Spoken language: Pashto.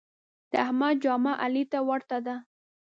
د احمد جامه علي ته ورته ده.